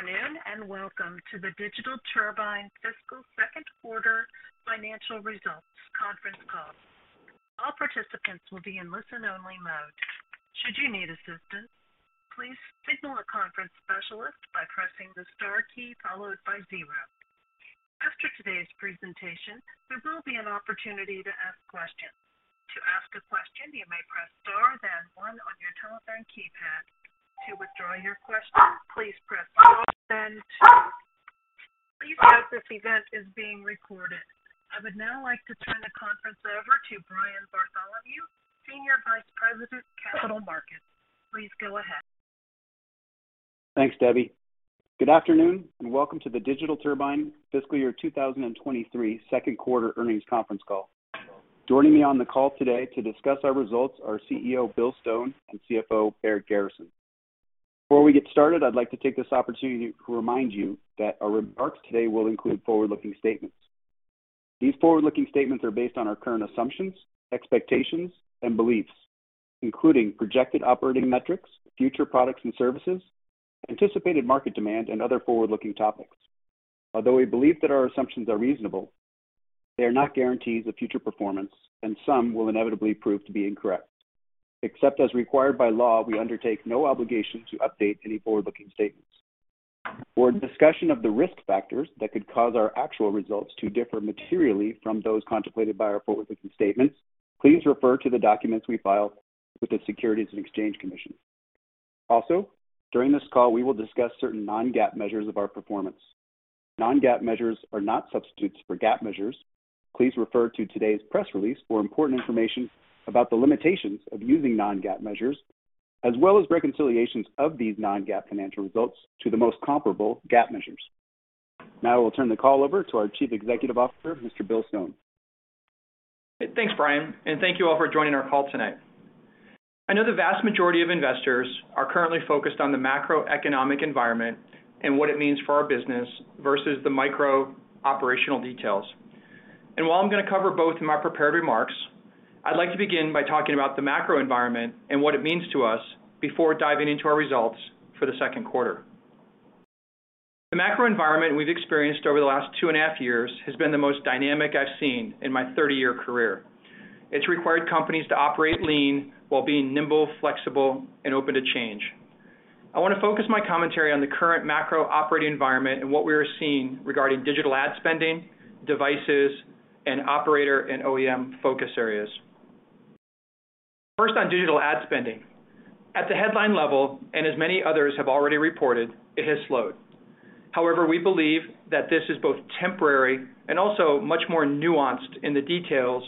Good afternoon, and welcome to the Digital Turbine Fiscal Second Quarter Financial Results conference call. All participants will be in listen-only mode. Should you need assistance, please signal a conference specialist by pressing the star key followed by zero. After today's presentation, there will be an opportunity to ask questions. To ask a question, you may press star then one on your telephone keypad. To withdraw your question, please press star then two. Please note this event is being recorded. I would now like to turn the conference over to Brian Bartholomew, Senior Vice President, Capital Markets. Please go ahead. Thanks, Debbie. Good afternoon, and welcome to the Digital Turbine Fiscal Year 2023 second quarter earnings conference call. Joining me on the call today to discuss our results are CEO Bill Stone and CFO Barrett Garrison. Before we get started, I'd like to take this opportunity to remind you that our remarks today will include forward-looking statements. These forward-looking statements are based on our current assumptions, expectations, and beliefs, including projected operating metrics, future products and services, anticipated market demand, and other forward-looking topics. Although we believe that our assumptions are reasonable, they are not guarantees of future performance, and some will inevitably prove to be incorrect. Except as required by law, we undertake no obligation to update any forward-looking statements. For a discussion of the risk factors that could cause our actual results to differ materially from those contemplated by our forward-looking statements, please refer to the documents we file with the Securities and Exchange Commission. Also, during this call, we will discuss certain non-GAAP measures of our performance. Non-GAAP measures are not substitutes for GAAP measures. Please refer to today's press release for important information about the limitations of using non-GAAP measures, as well as reconciliations of these non-GAAP financial results to the most comparable GAAP measures. Now I will turn the call over to our Chief Executive Officer, Mr. Bill Stone. Thanks, Brian, and thank you all for joining our call tonight. I know the vast majority of investors are currently focused on the macroeconomic environment and what it means for our business versus the micro-operational details. While I'm gonna cover both in my prepared remarks, I'd like to begin by talking about the macro environment and what it means to us before diving into our results for the second quarter. The macro environment we've experienced over the last 2.5 years has been the most dynamic I've seen in my 30-year career. It's required companies to operate lean while being nimble, flexible, and open to change. I wanna focus my commentary on the current macro-operating environment and what we are seeing regarding digital ad spending, devices, and operator and OEM focus areas. First on digital ad spending. At the headline level, and as many others have already reported, it has slowed. However, we believe that this is both temporary and also much more nuanced in the details,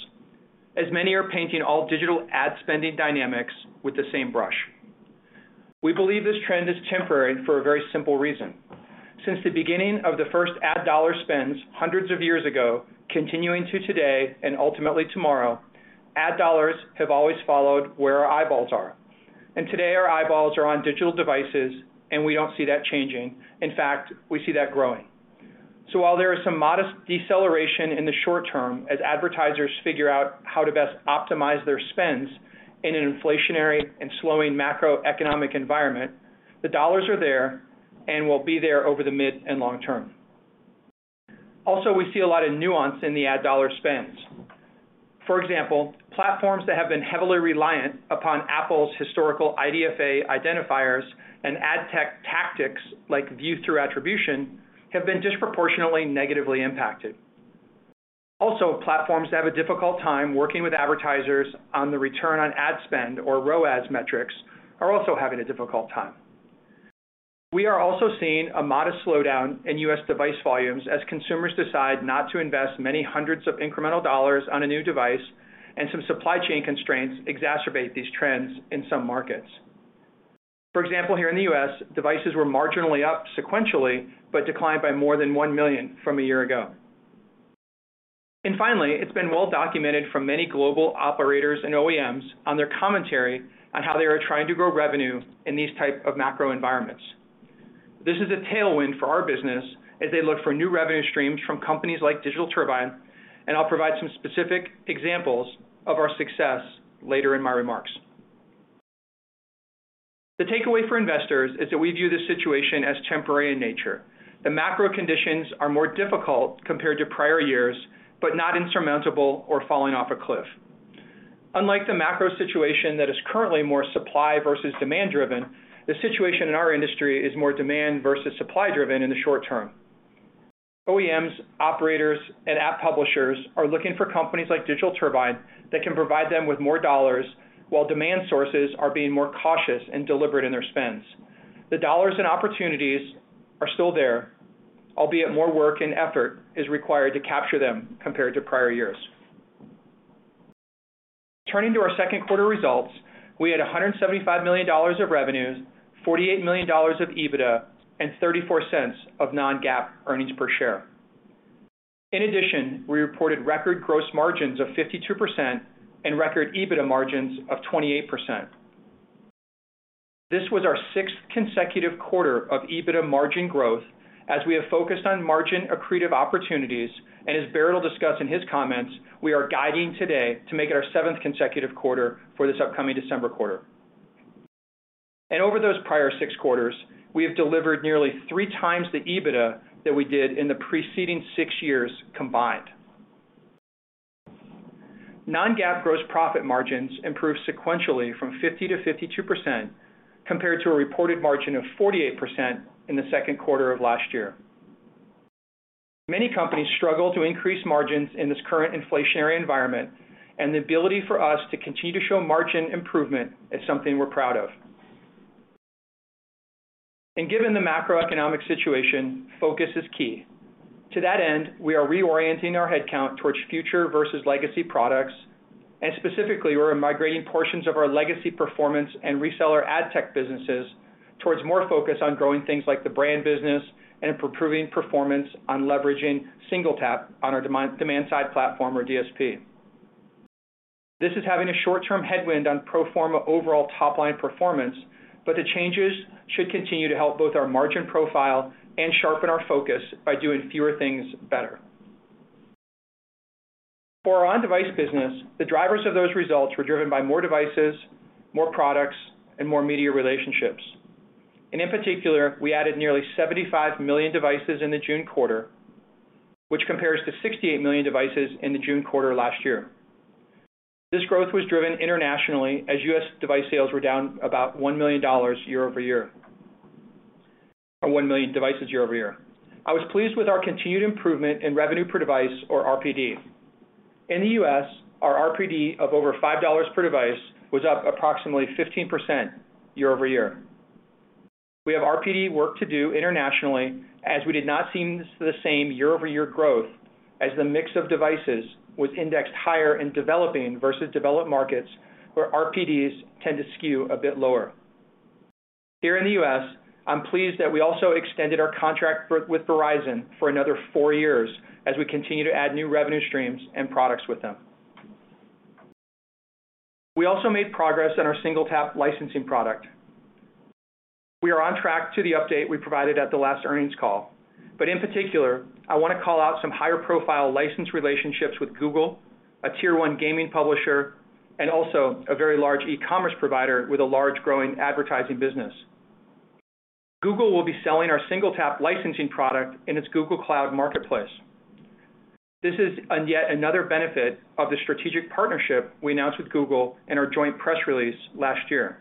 as many are painting all digital ad spending dynamics with the same brush. We believe this trend is temporary and for a very simple reason. Since the beginning of the first ad dollar spends hundreds of years ago, continuing to today and ultimately tomorrow, ad dollars have always followed where our eyeballs are. Today, our eyeballs are on digital devices, and we don't see that changing. In fact, we see that growing. While there is some modest deceleration in the short term as advertisers figure out how to best optimize their spends in an inflationary and slowing macroeconomic environment, the dollars are there and will be there over the mid and long term. We see a lot of nuance in the ad dollar spends. For example, platforms that have been heavily reliant upon Apple's historical IDFA identifiers and ad tech tactics like view-through attribution have been disproportionately negatively impacted. Also, platforms that have a difficult time working with advertisers on the return on ad spend or ROAS metrics are also having a difficult time. We are also seeing a modest slowdown in U.S. device volumes as consumers decide not to invest many hundreds of incremental dollars on a new device, and some supply chain constraints exacerbate these trends in some markets. For example, here in the U.S., devices were marginally up sequentially, but declined by more than 1 million from a year ago. Finally, it's been well documented from many global operators and OEMs on their commentary on how they are trying to grow revenue in these type of macro environments. This is a tailwind for our business as they look for new revenue streams from companies like Digital Turbine, and I'll provide some specific examples of our success later in my remarks. The takeaway for investors is that we view this situation as temporary in nature. The macro conditions are more difficult compared to prior years, but not insurmountable or falling off a cliff. Unlike the macro situation that is currently more supply versus demand-driven, the situation in our industry is more demand versus supply-driven in the short term. OEMs, operators, and app publishers are looking for companies like Digital Turbine that can provide them with more dollars while demand sources are being more cautious and deliberate in their spends. The dollars and opportunities are still there, albeit more work and effort is required to capture them compared to prior years. Turning to our second quarter results, we had $175 million of revenues, $48 million of EBITDA, and $0.34 non-GAAP earnings per share. In addition, we reported record gross margins of 52% and record EBITDA margins of 28%. This was our sixth consecutive quarter of EBITDA margin growth. As we have focused on margin accretive opportunities and as Barrett will discuss in his comments, we are guiding today to make it our seventh consecutive quarter for this upcoming December quarter. Over those prior six quarters, we have delivered nearly 3x the EBITDA that we did in the preceding six years combined. Non-GAAP gross profit margins improved sequentially from 50%-52% compared to a reported margin of 48% in the second quarter of last year. Many companies struggle to increase margins in this current inflationary environment, and the ability for us to continue to show margin improvement is something we're proud of. Given the macroeconomic situation, focus is key. To that end, we are reorienting our headcount towards future versus legacy products. Specifically, we're migrating portions of our legacy performance and reseller ad tech businesses towards more focus on growing things like the brand business and improving performance on leveraging SingleTap on our demand side platform or DSP. This is having a short-term headwind on pro forma overall top-line performance, but the changes should continue to help both our margin profile and sharpen our focus by doing fewer things better. For our on-device business, the drivers of those results were driven by more devices, more products, and more media relationships. In particular, we added nearly 75 million devices in the June quarter, which compares to 68 million devices in the June quarter last year. This growth was driven internationally as U.S. device sales were down about $1 million year-over-year. Or one million devices year-over-year. I was pleased with our continued improvement in revenue per device or RPD. In the U.S., our RPD of over $5 per device was up approximately 15% year-over-year. We have RPD work to do internationally as we did not see the same year-over-year growth as the mix of devices was indexed higher in developing versus developed markets where RPDs tend to skew a bit lower. Here in the U.S., I'm pleased that we also extended our contract with Verizon for another four years as we continue to add new revenue streams and products with them. We also made progress on our SingleTap licensing product. We are on track to the update we provided at the last earnings call. In particular, I wanna call out some higher-profile license relationships with Google, a tier-one gaming publisher, and also a very large e-commerce provider with a large growing advertising business. Google will be selling our SingleTap licensing product in its Google Cloud Marketplace. This is yet another benefit of the strategic partnership we announced with Google in our joint press release last year.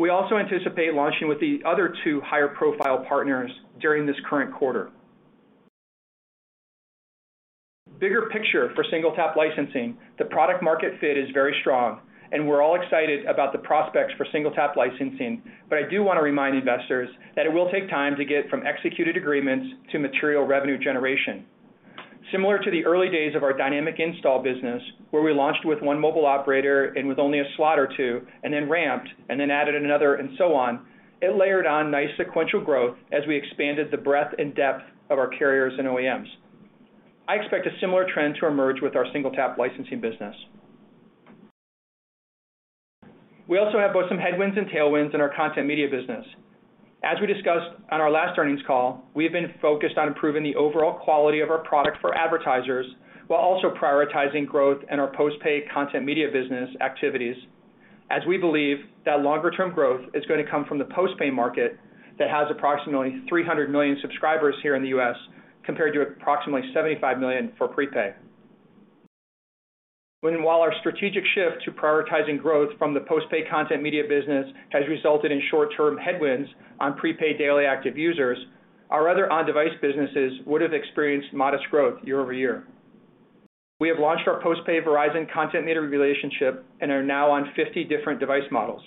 We also anticipate launching with the other two higher-profile partners during this current quarter. Bigger picture for SingleTap licensing. The product-market fit is very strong, and we're all excited about the prospects for SingleTap licensing, but I do wanna remind investors that it will take time to get from executed agreements to material revenue generation. Similar to the early days of our Dynamic Install business, where we launched with one mobile operator and with only a slot or two, and then ramped, and then added another, and so on, it layered on nice sequential growth as we expanded the breadth and depth of our carriers and OEMs. I expect a similar trend to emerge with our SingleTap licensing business. We also have both some headwinds and tailwinds in our content media business. As we discussed on our last earnings call, we have been focused on improving the overall quality of our product for advertisers while also prioritizing growth in our postpaid content media business activities, as we believe that longer-term growth is gonna come from the postpaid market that has approximately 300 million subscribers here in the U.S., compared to approximately 75 million for prepaid. While our strategic shift to prioritizing growth from the postpaid content media business has resulted in short-term headwinds on prepaid daily active users, our other on-device businesses would have experienced modest growth year-over-year. We have launched our postpaid Verizon content media relationship and are now on 50 different device models.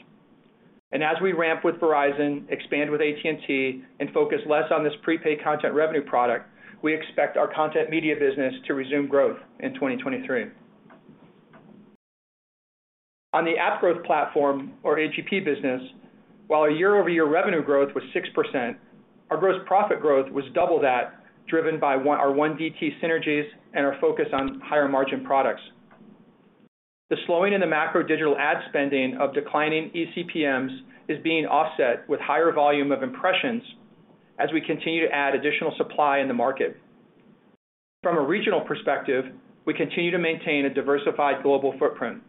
As we ramp with Verizon, expand with AT&T, and focus less on this prepaid content revenue product, we expect our content media business to resume growth in 2023. On the App Growth Platform, or AGP business, while our year-over-year revenue growth was 6%, our gross profit growth was double that, driven by our One DT synergies and our focus on higher-margin products. The slowing in the macro digital ad spending of declining eCPMs is being offset with higher volume of impressions as we continue to add additional supply in the market. From a regional perspective, we continue to maintain a diversified global footprint.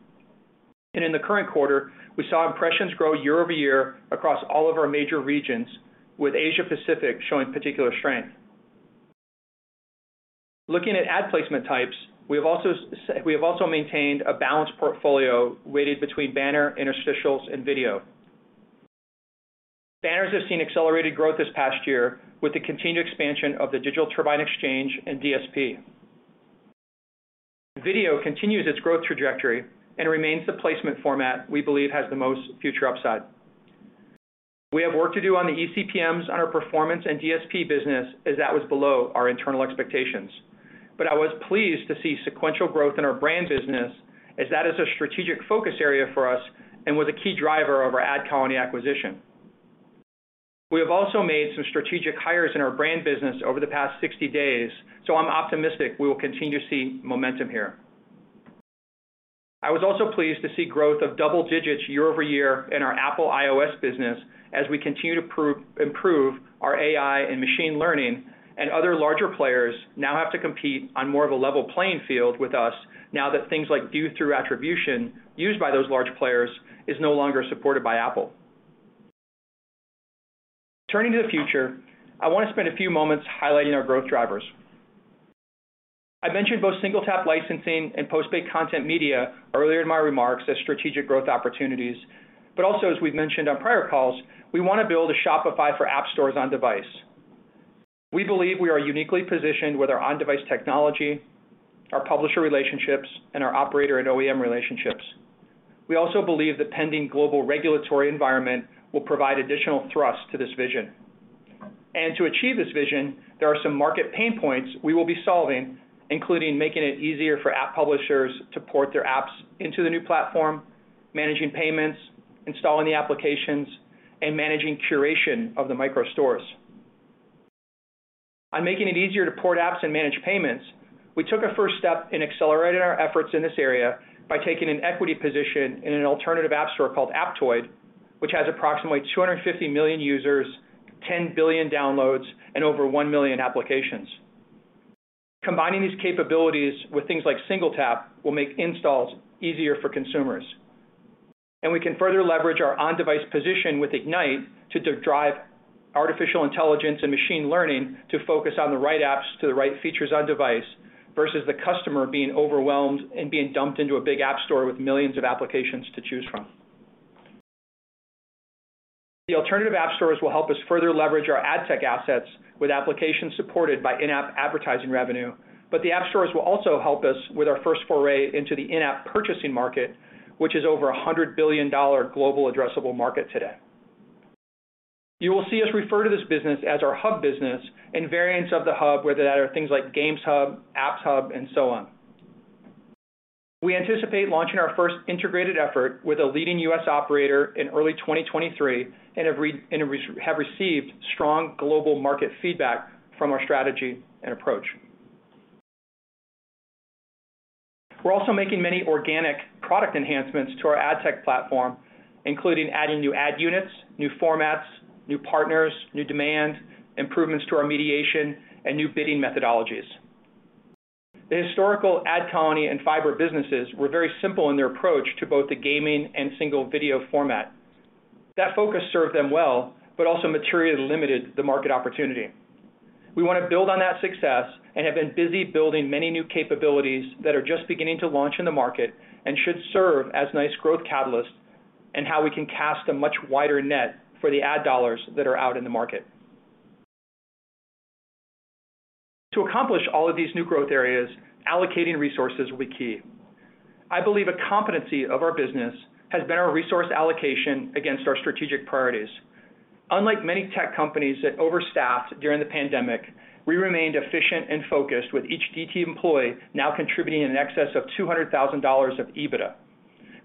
In the current quarter, we saw impressions grow year-over-year across all of our major regions, with Asia-Pacific showing particular strength. Looking at ad placement types, we have also maintained a balanced portfolio weighted between banner, interstitials, and video. Banners have seen accelerated growth this past year with the continued expansion of the DT Exchange and DSP. Video continues its growth trajectory and remains the placement format we believe has the most future upside. We have work to do on the eCPMs on our performance and DSP business as that was below our internal expectations. I was pleased to see sequential growth in our brand business as that is a strategic focus area for us and was a key driver of our AdColony acquisition. We have also made some strategic hires in our brand business over the past 60 days, so I'm optimistic we will continue to see momentum here. I was also pleased to see growth of double digits year-over-year in our Apple iOS business as we continue to improve our AI and machine learning, and other larger players now have to compete on more of a level playing field with us now that things like view-through attribution used by those large players is no longer supported by Apple. Turning to the future, I wanna spend a few moments highlighting our growth drivers. I mentioned both SingleTap licensing and post-paid content media earlier in my remarks as strategic growth opportunities, but also as we've mentioned on prior calls, we wanna build a Shopify for app stores on device. We believe we are uniquely positioned with our on-device technology, our publisher relationships, and our operator and OEM relationships. We also believe the pending global regulatory environment will provide additional thrust to this vision. To achieve this vision, there are some market pain points we will be solving, including making it easier for app publishers to port their apps into the new platform, managing payments, installing the applications, and managing curation of the micro stores. On making it easier to port apps and manage payments, we took a first step in accelerating our efforts in this area by taking an equity position in an alternative app store called Aptoide, which has approximately 250 million users, 10 billion downloads, and over 1 million applications. Combining these capabilities with things like SingleTap will make installs easier for consumers, and we can further leverage our on-device position with Ignite to drive artificial intelligence and machine learning to focus on the right apps to the right features on device versus the customer being overwhelmed and being dumped into a big app store with millions of applications to choose from. The alternative app stores will help us further leverage our ad tech assets with applications supported by in-app advertising revenue, but the app stores will also help us with our first foray into the in-app purchasing market, which is over a $100 billion global addressable market today. You will see us refer to this business as our hub business and variants of the hub, whether that are things like Games Hub, Apps Hub, and so on. We anticipate launching our first integrated effort with a leading US operator in early 2023 and have received strong global market feedback from our strategy and approach. We're also making many organic product enhancements to our ad tech platform, including adding new ad units, new formats, new partners, new demand, improvements to our mediation, and new bidding methodologies. The historical AdColony and Fyber businesses were very simple in their approach to both the gaming and single video format. That focus served them well, but also materially limited the market opportunity. We wanna build on that success and have been busy building many new capabilities that are just beginning to launch in the market and should serve as nice growth catalysts in how we can cast a much wider net for the ad dollars that are out in the market. To accomplish all of these new growth areas, allocating resources will be key. I believe a competency of our business has been our resource allocation against our strategic priorities. Unlike many tech companies that overstaffed during the pandemic, we remained efficient and focused with each DT employee now contributing in excess of $200,000 of EBITDA,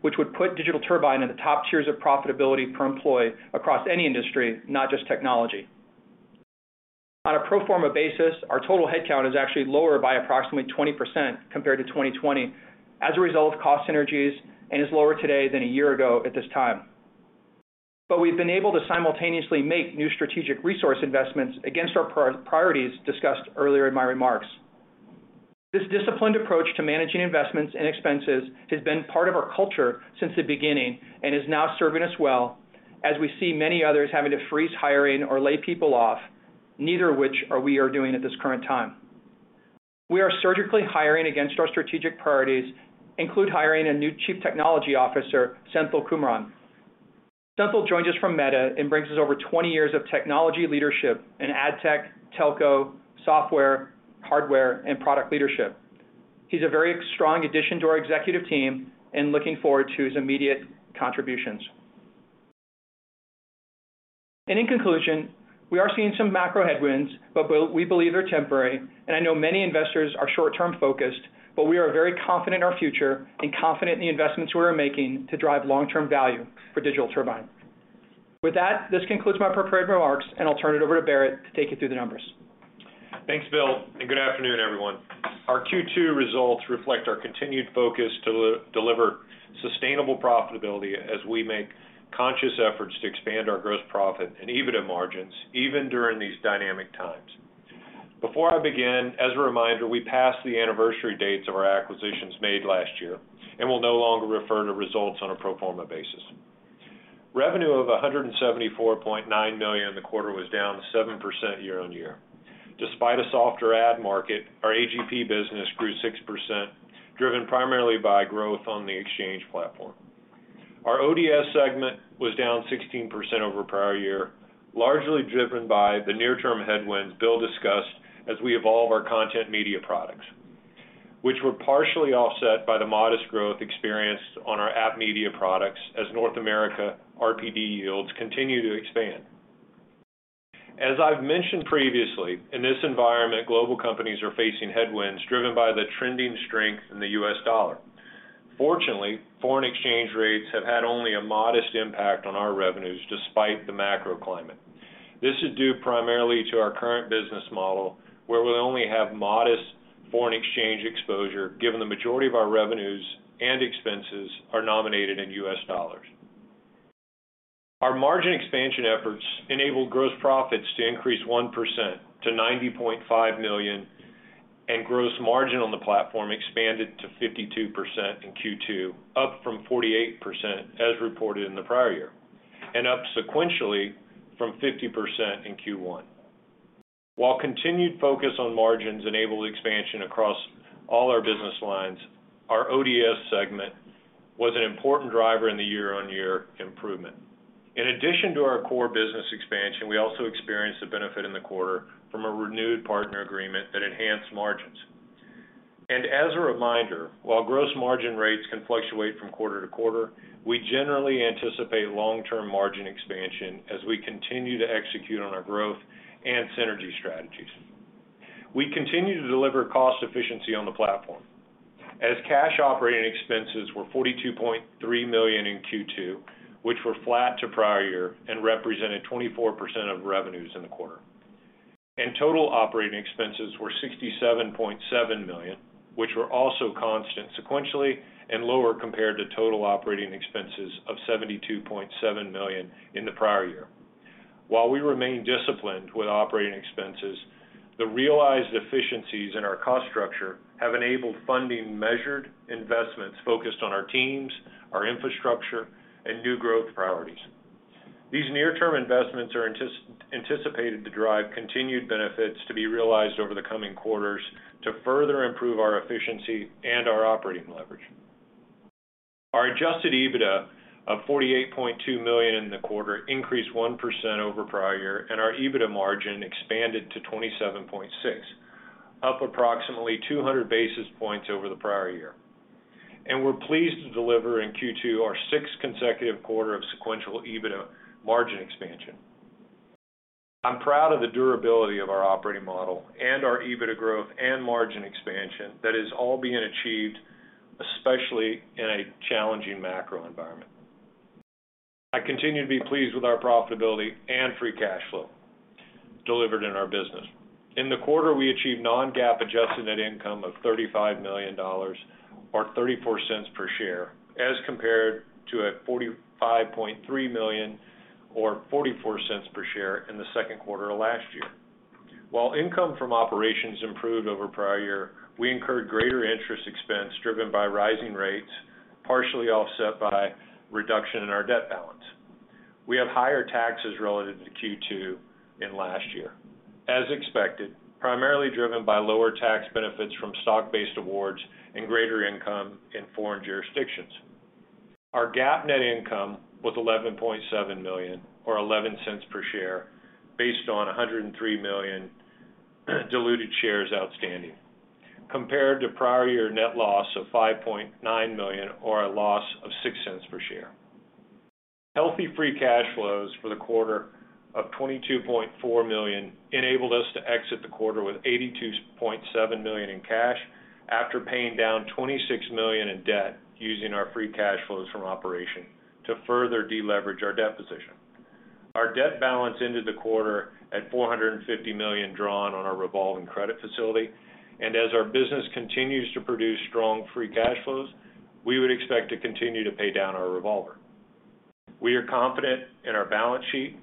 which would put Digital Turbine in the top tiers of profitability per employee across any industry, not just technology. On a pro forma basis, our total headcount is actually lower by approximately 20% compared to 2020 as a result of cost synergies and is lower today than a year ago at this time. We've been able to simultaneously make new strategic resource investments against our priorities discussed earlier in my remarks. This disciplined approach to managing investments and expenses has been part of our culture since the beginning and is now serving us well as we see many others having to freeze hiring or lay people off, neither of which we are doing at this current time. We are surgically hiring against our strategic priorities, including hiring a new Chief Technology Officer, Senthil Kumaran. Senthil joins us from Meta and brings us over 20 years of technology leadership in ad tech, telco, software, hardware, and product leadership. He's a very strong addition to our executive team and looking forward to his immediate contributions. In conclusion, we are seeing some macro headwinds, but we believe they're temporary, and I know many investors are short-term focused, but we are very confident in our future and confident in the investments we are making to drive long-term value for Digital Turbine. With that, this concludes my prepared remarks, and I'll turn it over to Barrett to take you through the numbers. Thanks, Bill, and good afternoon, everyone. Our Q2 results reflect our continued focus to deliver sustainable profitability as we make conscious efforts to expand our gross profit and EBITDA margins even during these dynamic times. Before I begin, as a reminder, we passed the anniversary dates of our acquisitions made last year and will no longer refer to results on a pro forma basis. Revenue of $174.9 million in the quarter was down 7% year-over-year. Despite a softer ad market, our AGP business grew 6%, driven primarily by growth on the exchange platform. Our ODS segment was down 16% over prior year, largely driven by the near-term headwinds Bill discussed as we evolve our content media products, which were partially offset by the modest growth experienced on our app media products as North America RPD yields continue to expand. As I've mentioned previously, in this environment, global companies are facing headwinds driven by the trending strength in the U.S. dollar. Fortunately, foreign exchange rates have had only a modest impact on our revenues despite the macro climate. This is due primarily to our current business model, where we only have modest foreign exchange exposure given the majority of our revenues and expenses are nominated in U.S. dollars. Our margin expansion efforts enabled gross profits to increase 1% to $90.5 million, and gross margin on the platform expanded to 52% in Q2, up from 48% as reported in the prior year, and up sequentially from 50% in Q1. While continued focus on margins enabled expansion across all our business lines, our ODS segment was an important driver in the year-on-year improvement. In addition to our core business expansion, we also experienced the benefit in the quarter from a renewed partner agreement that enhanced margins. As a reminder, while gross margin rates can fluctuate from quarter to quarter, we generally anticipate long-term margin expansion as we continue to execute on our growth and synergy strategies. We continue to deliver cost efficiency on the platform. As cash operating expenses were $42.3 million in Q2, which were flat to prior year and represented 24% of revenues in the quarter. Total operating expenses were $67.7 million, which were also constant sequentially and lower compared to total operating expenses of $72.7 million in the prior year. While we remain disciplined with operating expenses, the realized efficiencies in our cost structure have enabled funding measured investments focused on our teams, our infrastructure, and new growth priorities. These near-term investments are anticipated to drive continued benefits to be realized over the coming quarters to further improve our efficiency and our operating leverage. Our Adjusted EBITDA of $48.2 million in the quarter increased 1% over prior year, and our EBITDA margin expanded to 27.6%, up approximately 200 basis points over the prior year. We're pleased to deliver in Q2 our sixth consecutive quarter of sequential EBITDA margin expansion. I'm proud of the durability of our operating model and our EBITDA growth and margin expansion that is all being achieved, especially in a challenging macro environment. I continue to be pleased with our profitability and Free Cash Flow delivered in our business. In the quarter, we achieved non-GAAP adjusted net income of $35 million or $0.34 per share as compared to $45.3 million or $0.44 per share in the second quarter of last year. While income from operations improved over prior year, we incurred greater interest expense driven by rising rates, partially offset by reduction in our debt balance. We have higher taxes relative to Q2 in last year, as expected, primarily driven by lower tax benefits from stock-based awards and greater income in foreign jurisdictions. Our GAAP net income was $11.7 million or $0.11 per share based on 103 million diluted shares outstanding, compared to prior year net loss of $5.9 million or a loss of $0.06 per share. Healthy Free Cash Flows for the quarter of $22.4 million enabled us to exit the quarter with $82.7 million in cash after paying down $26 million in debt using our Free Cash Flows from operations to further deleverage our debt position. Our debt balance ended the quarter at $450 million drawn on our revolving credit facility. As our business continues to produce strong free cash flows, we would expect to continue to pay down our revolver. We are confident in our balance sheet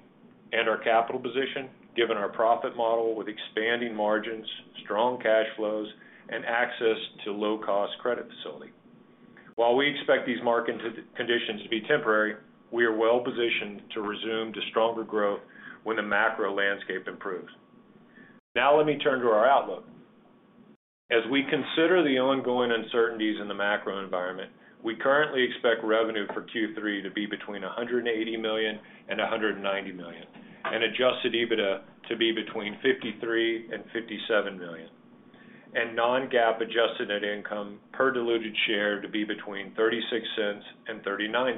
and our capital position given our profit model with expanding margins, strong cash flows, and access to low-cost credit facility. While we expect these market conditions to be temporary, we are well-positioned to resume to stronger growth when the macro landscape improves. Now let me turn to our outlook. As we consider the ongoing uncertainties in the macro environment, we currently expect revenue for Q3 to be between $180 million and $190 million, and Adjusted EBITDA to be between $53 million and $57 million, and non-GAAP adjusted net income per diluted share to be between $0.36 and $0.39,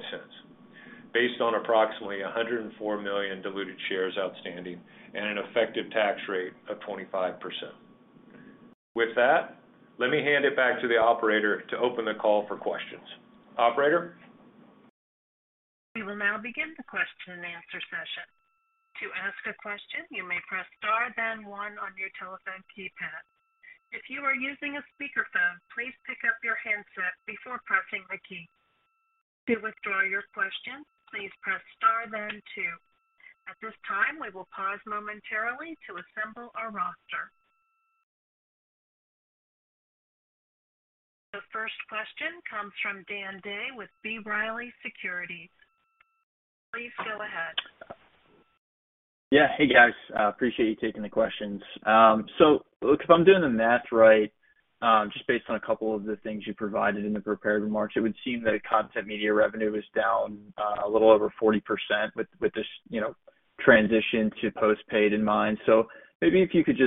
based on approximately 104 million diluted shares outstanding and an effective tax rate of 25%. With that, let me hand it back to the operator to open the call for questions. Operator? We will now begin the question-and-answer session. To ask a question, you may press star then one on your telephone keypad. If you are using a speakerphone, please pick up your handset before pressing the key. To withdraw your question, please press star then two. At this time, we will pause momentarily to assemble our roster. The first question comes from Dan Day with B. Riley Securities. Please go ahead. Yeah. Hey, guys. I appreciate you taking the questions. Look, if I'm doing the math right, just based on a couple of the things you provided in the prepared remarks, it would seem that content media revenue is down a little over 40% with this, you know, transition to postpaid in mind. First, if you could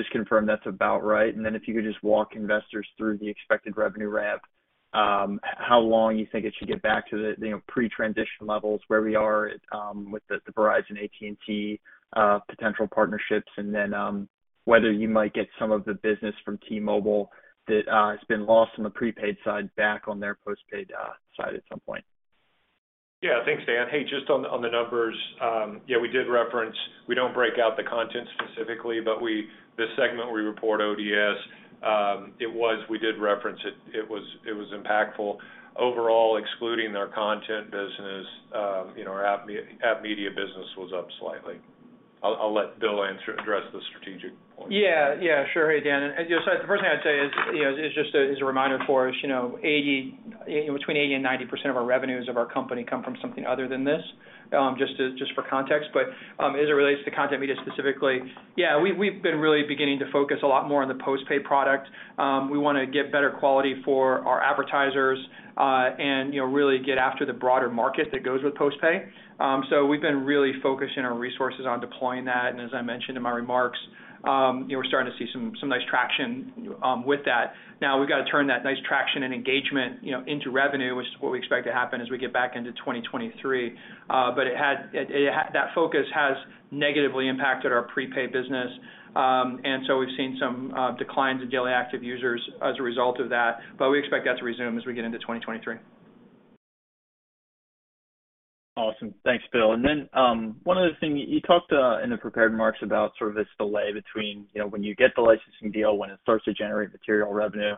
just confirm that's about right, and then if you could just walk investors through the expected revenue ramp, how long you think it should get back to the, you know, pre-transition levels, where we are with the Verizon AT&T potential partnerships, and then whether you might get some of the business from T-Mobile that has been lost on the prepaid side back on their postpaid side at some point. Yeah. Thanks, Dan. Hey, just on the numbers. Yeah, we did reference it. We don't break out the content specifically, but this segment we report ODS. It was impactful. Overall, excluding our content business, you know, our app media business was up slightly. I'll let Bill address the strategic point. Yeah. Yeah. Sure. Hey, Dan. You know, the first thing I'd say is just a reminder for us. You know, between 80% and 90% of our revenues of our company come from something other than this, just for context. As it relates to content media specifically, yeah, we've been really beginning to focus a lot more on the postpaid product. We wanna get better quality for our advertisers, and you know, really get after the broader market that goes with postpaid. We've been really focusing our resources on deploying that. As I mentioned in my remarks, you know, we're starting to see some nice traction with that. Now we've got to turn that nice traction and engagement, you know, into revenue, which is what we expect to happen as we get back into 2023. That focus has negatively impacted our prepaid business. We've seen some declines in daily active users as a result of that, but we expect that to resume as we get into 2023. Awesome. Thanks, Bill. One other thing. You talked in the prepared remarks about sort of this delay between, you know, when you get the licensing deal, when it starts to generate material revenue.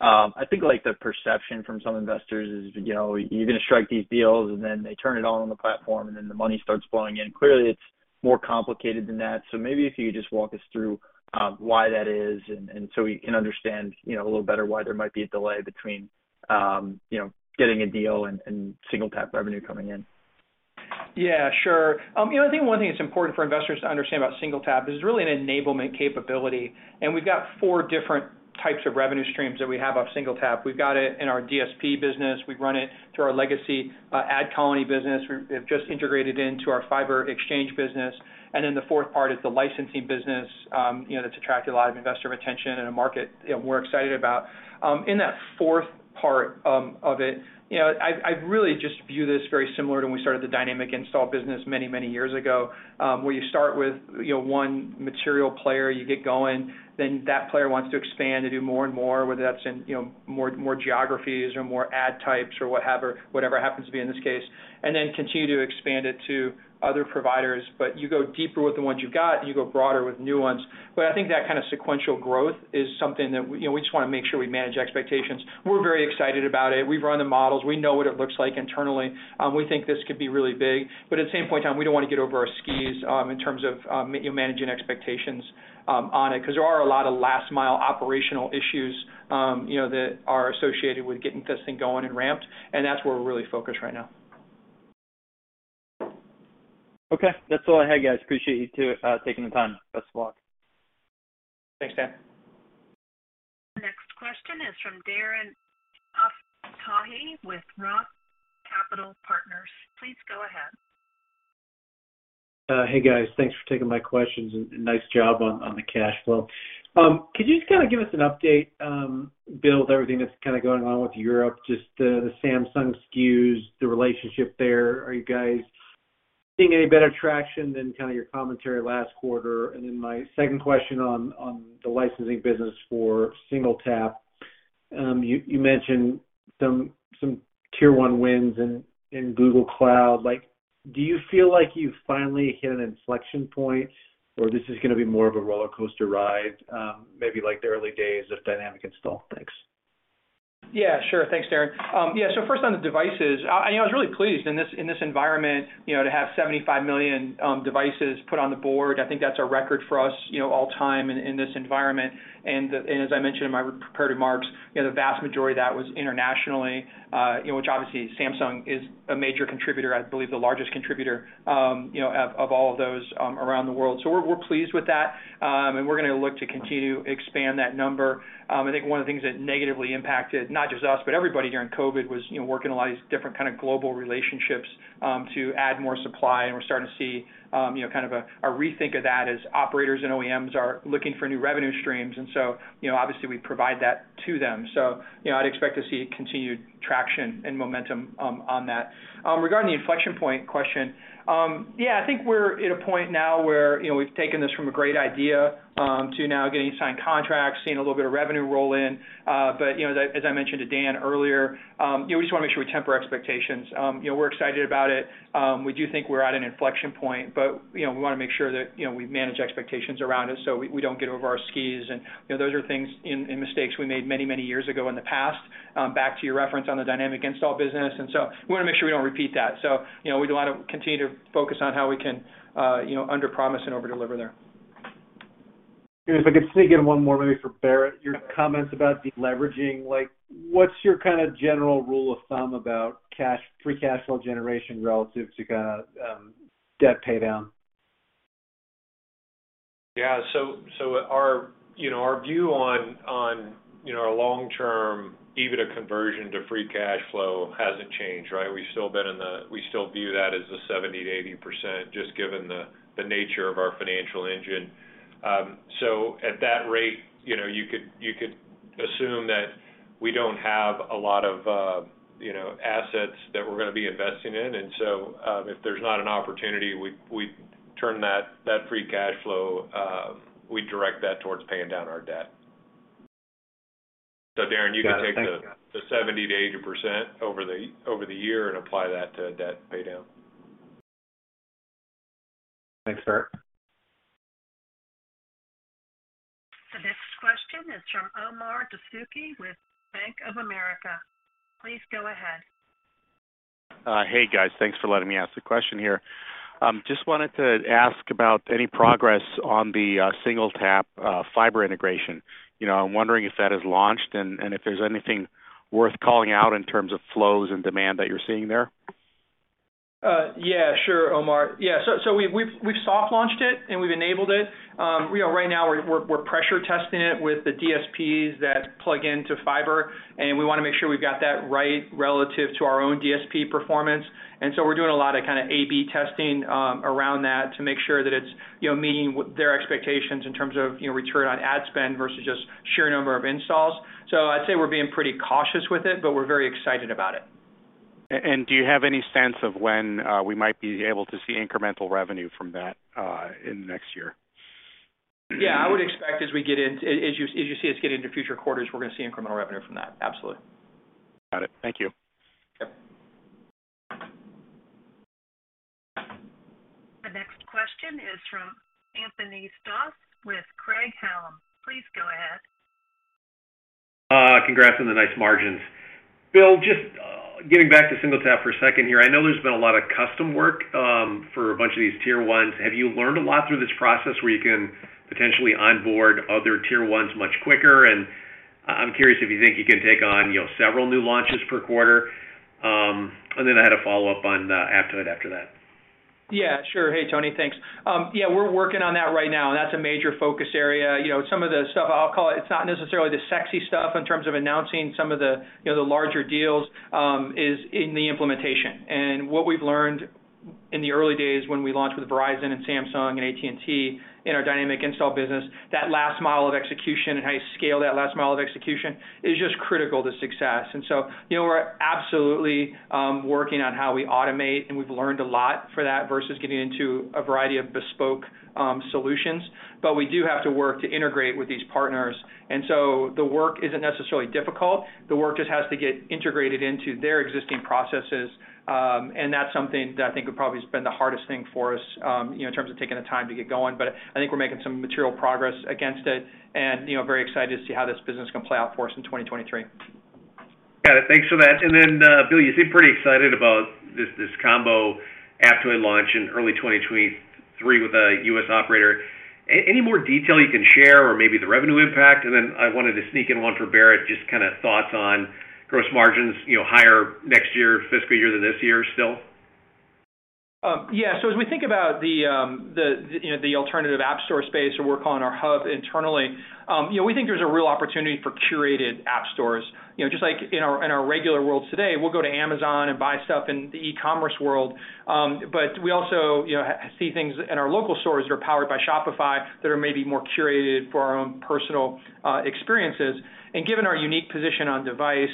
I think, like, the perception from some investors is, you know, you're gonna strike these deals, and then they turn it on on the platform, and then the money starts flowing in. Clearly, it's more complicated than that. Maybe if you could just walk us through why that is, and so we can understand, you know, a little better why there might be a delay between, you know, getting a deal and SingleTap revenue coming in. Yeah, sure. You know, I think one thing that's important for investors to understand about SingleTap is it's really an enablement capability. We've got four different types of revenue streams that we have of SingleTap. We've got it in our DSP business. We run it through our legacy AdColony business. We've just integrated into our Fyber exchange business. Then the fourth part is the licensing business, you know, that's attracted a lot of investor attention and a market, you know, we're excited about. In that fourth part of it, you know, I really just view this very similar to when we started the Dynamic Install business many, many years ago, where you start with, you know, one material player, you get going, then that player wants to expand to do more and more, whether that's in, you know, more geographies or more ad types or whatever it happens to be in this case, and then continue to expand it to other providers. But you go deeper with the ones you've got, and you go broader with new ones. But I think that kind of sequential growth is something that we, you know, we just wanna make sure we manage expectations. We're very excited about it. We've run the models. We know what it looks like internally. We think this could be really big. at the same point in time, we don't wanna get ahead of our skis, in terms of, you know, managing expectations, on it, 'cause there are a lot of last mile operational issues, you know, that are associated with getting this thing going and ramped, and that's where we're really focused right now. Okay. That's all I had, guys. Appreciate you two taking the time. Best of luck. Thanks, Dan. Next question is from Darren Aftahi with Roth Capital Partners. Please go ahead. Hey, guys. Thanks for taking my questions, and nice job on the cash flow. Could you just kinda give us an update, Bill, with everything that's kinda going on with Europe, just the Samsung SKUs, the relationship there? Are you guys seeing any better traction than kinda your commentary last quarter? My second question on the licensing business for SingleTap. You mentioned some tier one wins in Google Cloud. Like, do you feel like you've finally hit an inflection point, or this is gonna be more of a rollercoaster ride, maybe like the early days of Dynamic Install? Thanks. Yeah, sure. Thanks, Darren. Yeah, so first on the devices. You know, I was really pleased in this environment, you know, to have 75 million devices put on the board. I think that's a record for us, you know, all time in this environment. As I mentioned in my prepared remarks, you know, the vast majority of that was internationally, you know, which obviously Samsung is a major contributor, I believe the largest contributor, you know, of all of those around the world. So we're pleased with that. We're gonna look to continue to expand that number. I think one of the things that negatively impacted not just us, but everybody during COVID was, you know, working a lot of these different kind of global relationships, to add more supply, and we're starting to see, you know, kind of a rethink of that as operators and OEMs are looking for new revenue streams. You know, obviously, we provide that to them. You know, I'd expect to see continued traction and momentum, on that. Regarding the inflection point question, yeah, I think we're at a point now where, you know, we've taken this from a great idea, to now getting signed contracts, seeing a little bit of revenue roll in. But, you know, as I mentioned to Dan earlier, you know, we just wanna make sure we temper expectations. You know, we're excited about it. We do think we're at an inflection point, but you know, we wanna make sure that you know, we manage expectations around us, so we don't get over our skis. You know, those are things and mistakes we made many, many years ago in the past, back to your reference on the Dynamic Install business. We wanna make sure we don't repeat that. You know, we do wanna continue to focus on how we can you know, underpromise and overdeliver there. If I could sneak in one more maybe for Barrett. Your comments about deleveraging, like, what's your kinda general rule of thumb about cash, free cash flow generation relative to kinda, debt paydown? Our view on, you know, our long-term EBITDA conversion to free cash flow hasn't changed, right? We still view that as 70%-80% just given the nature of our financial engine. At that rate, you know, you could assume that. We don't have a lot of, you know, assets that we're gonna be investing in, and so if there's not an opportunity, we turn that Free Cash Flow, we direct that towards paying down our debt. Darren, you can take the 70%-80% over the year and apply that to debt pay down. Thanks, Barrett. The next question is from Omar Dessouky with Bank of America. Please go ahead. Hey, guys. Thanks for letting me ask the question here. Just wanted to ask about any progress on the SingleTap Fyber integration. You know, I'm wondering if that has launched and if there's anything worth calling out in terms of flows and demand that you're seeing there? Yeah. Sure, Omar. Yeah. We've soft launched it and we've enabled it. You know, right now we're pressure testing it with the DSPs that plug into Fyber, and we wanna make sure we've got that right relative to our own DSP performance. We're doing a lot of kinda A/B testing around that to make sure that it's, you know, meeting their expectations in terms of, you know, return on ad spend versus just sheer number of installs. I'd say we're being pretty cautious with it, but we're very excited about it. Do you have any sense of when we might be able to see incremental revenue from that in the next year? Yeah, I would expect as you see us get into future quarters, we're gonna see incremental revenue from that. Absolutely. Got it. Thank you. Yep. The next question is from Anthony Stoss with Craig-Hallum. Please go ahead. Congrats on the nice margins. Bill, just getting back to SingleTap for a second here. I know there's been a lot of custom work for a bunch of these tier ones. Have you learned a lot through this process where you can potentially onboard other tier ones much quicker? I'm curious if you think you can take on, you know, several new launches per quarter. Then I had a follow-up on Aptoide after that. Yeah, sure. Hey, Anthony. Thanks. Yeah, we're working on that right now, and that's a major focus area. You know, some of the stuff I'll call it's not necessarily the sexy stuff in terms of announcing some of the, you know, the larger deals, is in the implementation. What we've learned in the early days when we launched with Verizon and Samsung and AT&T in our Dynamic Install business, that last mile of execution and how you scale that last mile of execution is just critical to success. You know, we're absolutely working on how we automate, and we've learned a lot from that versus getting into a variety of bespoke solutions. We do have to work to integrate with these partners, and so the work isn't necessarily difficult. The work just has to get integrated into their existing processes, and that's something that I think would probably has been the hardest thing for us, you know, in terms of taking the time to get going. I think we're making some material progress against it and, you know, very excited to see how this business can play out for us in 2023. Got it. Thanks for that. Bill, you seem pretty excited about this combo Aptoide launch in early 2023 with a U.S. operator. Any more detail you can share or maybe the revenue impact? I wanted to sneak in one for Barrett, just kinda thoughts on gross margins, you know, higher next year, fiscal year than this year still. As we think about the you know the alternative app store space or we're calling our hub internally, you know, we think there's a real opportunity for curated app stores. You know, just like in our in our regular world today, we'll go to Amazon and buy stuff in the e-commerce world, but we also, you know, see things in our local stores that are powered by Shopify that are maybe more curated for our own personal experiences. Given our unique position on device,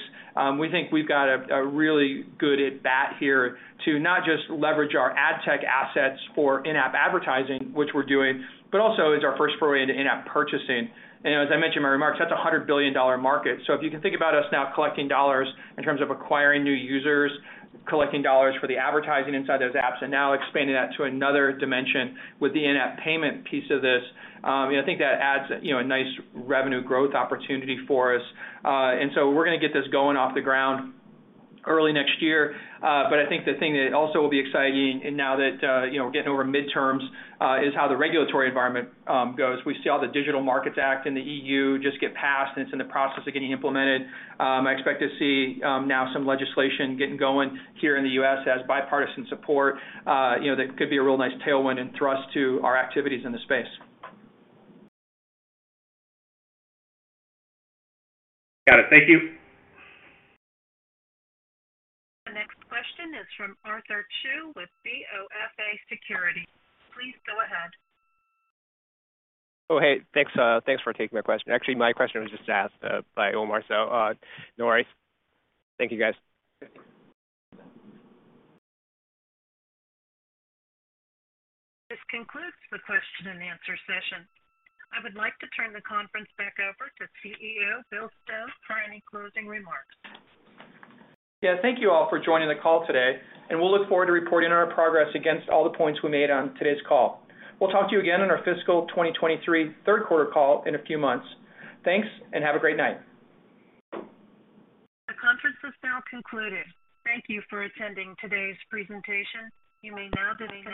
we think we've got a really good at-bat here to not just leverage our ad tech assets for in-app advertising, which we're doing, but also as our first foray into in-app purchasing. As I mentioned in my remarks, that's a $100 billion market. If you can think about us now collecting dollars in terms of acquiring new users, collecting dollars for the advertising inside those apps, and now expanding that to another dimension with the in-app payment piece of this, you know, I think that adds, you know, a nice revenue growth opportunity for us. We're gonna get this going off the ground early next year, but I think the thing that also will be exciting and now that, you know, getting over midterms, is how the regulatory environment goes. We see how the Digital Markets Act in the EU just get passed, and it's in the process of getting implemented. I expect to see. Now, some legislation getting going here in the U.S. has bipartisan support, you know, that could be a real nice tailwind and thrust to our activities in the space. Got it. Thank you. The next question is from Arthur Chu with BofA Securities. Please go ahead. Oh, hey, thanks for taking my question. Actually, my question was just asked by Omar, so no worries. Thank you, guys. This concludes the question and answer session. I would like to turn the conference back over to CEO Bill Stone for any closing remarks. Yeah. Thank you all for joining the call today, and we'll look forward to reporting on our progress against all the points we made on today's call. We'll talk to you again on our fiscal 2023 third quarter call in a few months. Thanks, and have a great night. The conference is now concluded. Thank you for attending today's presentation. You may now disconnect.